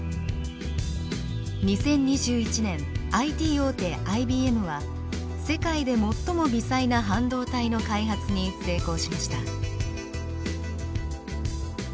２０２１年ＩＴ大手ＩＢＭは世界で最も微細な半導体の開発に成功しました。